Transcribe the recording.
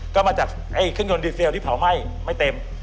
ก็มาจากเครื่องยนต์ดีเซลที่เผาไหม้ไม่เต็ม